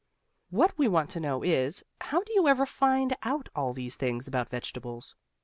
What we want to know is, How do you ever find out all these things about vegetables?